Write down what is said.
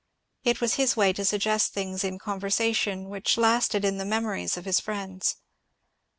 It was his way to suggest thmgs in conversation which lasted in the memories of his friends.